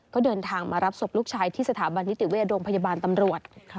ก็เดินทางมารับศพลูกชายที่สถาบันนิติเวชโรงพยาบาลตำรวจ